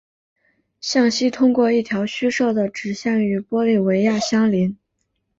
向西通过一条虚设的直线与玻利维亚相邻。